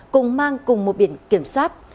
cùng mang cùng một biển kiểm soát